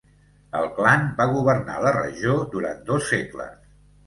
El clan va governar la regió durant dos segles.